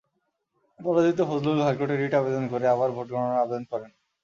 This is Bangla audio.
পরাজিত ফজলুল হাইকোর্টে রিট আবেদন করে আবার ভোট গণনার আবেদন করেন।